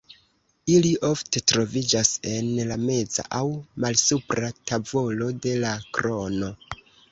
Ili ofte troviĝas en la meza aŭ malsupra tavolo de la krono.